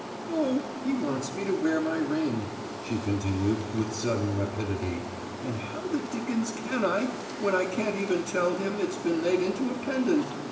"Oh, he wants me to wear my ring," she continued, with sudden rapidity: "and how the dickens can I when I can't even tell him it's been made into a pendant!